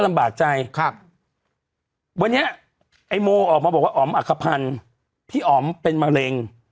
ลำบากใจครับวันนี้ไอ้โมออกมาบอกว่าอ๋อมอักขพันธ์พี่อ๋อมเป็นมะเร็ง